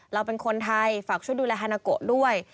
เราเป็นคนไทยฝากชุดดูแลฮานาโกะด้วย